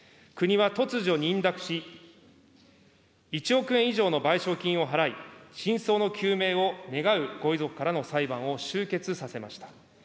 国は突如認諾し、１億円以上の賠償金を払い、真相の究明を願うご遺族からの裁判を終結させました。